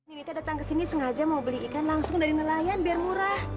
ini dia datang ke sini sengaja mau beli ikan langsung dari nelayan biar murah